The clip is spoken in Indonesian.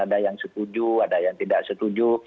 ada yang setuju ada yang tidak setuju